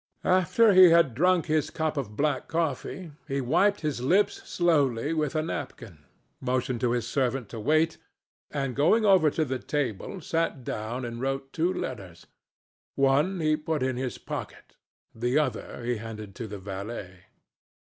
After he had drunk his cup of black coffee, he wiped his lips slowly with a napkin, motioned to his servant to wait, and going over to the table, sat down and wrote two letters. One he put in his pocket, the other he handed to the valet.